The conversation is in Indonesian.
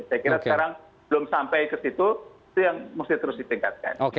saya kira sekarang belum sampai ke situ itu yang mesti terus ditingkatkan